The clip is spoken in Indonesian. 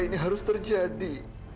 ini harus terjadi